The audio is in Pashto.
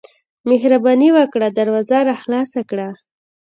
مهرباني وکړه دروازه راخلاصه کړه.